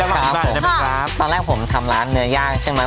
ครับครับตอนแรกผมทำร้านเนื้อยากใช่ไหม